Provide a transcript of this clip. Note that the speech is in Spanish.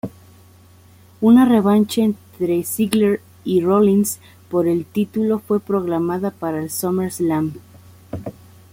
Una revancha entre Ziggler y Rollins por el título fue programada para SummerSlam.